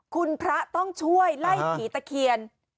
คุณพระต้องช่วยไล่ผีตะเคียน